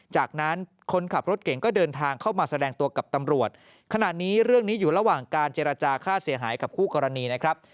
จากนั้นคนขับรถเก่งก็เดินทางเข้ามาแสดงตัวกับตำรวจขณะนี้เรื่องนี้อยู่ระหว่างการเจรจาค่าเสียหายกับคู่กรณีนะครับ